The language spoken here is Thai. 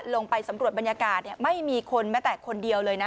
ลงไปสำรวจบรรยากาศไม่มีคนแม้แต่คนเดียวเลยนะ